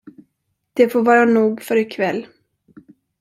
Det får vara nog för i kväll.